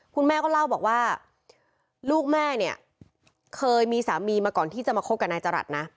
คุณแม่ก็เล่าบอกว่าลูกแม่เนี่ยเคยมีสามีมาก่อนที่จะมาคบกับนายจรัสนะ